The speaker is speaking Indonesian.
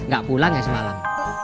gak pulang ya semalam